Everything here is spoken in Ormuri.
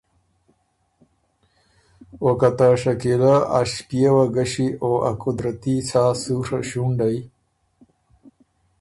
او که ته شکیلۀ اݭپيېوه ګݭی او ا قدرتي سا سُوره ݭُونډئ